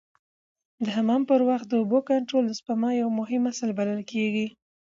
د حمام پر وخت د اوبو کنټرول د سپما یو مهم اصل بلل کېږي.